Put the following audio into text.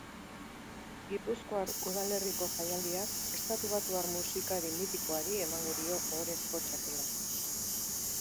Gipuzkoar udalerriko jaialdiak estatubatuar musikari mitikoari emango dio ohorezko txapela.